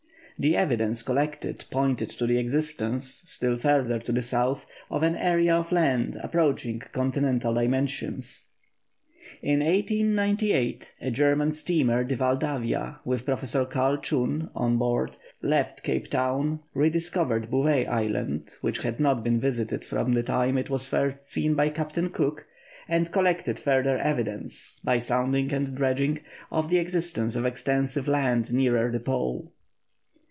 The evidence collected pointed to the existence, still further to the south, of an area of land approaching continental dimensions. In 1898 a German steamer, the Valdavia, with Professor Carl Chun on board, left Cape Town, rediscovered Bouvet Island, which had not been visited from the time it was first seen by Captain Cook, and collected further evidence, by sounding and dredging, of the existence of extensive land nearer the Pole.